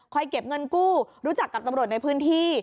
เก็บเงินกู้รู้จักกับตำรวจในพื้นที่